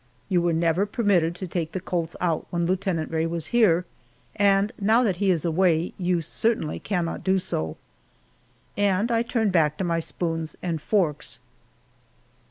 You were never permitted to take the colts out when Lieutenant Rae was here, and now that he is away, you certainly cannot do so." And I turned back to my spoons and forks.